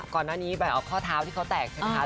ก่อนหน้านี้แบบข้อเท้าที่เขาแตกใช่ไหมคะ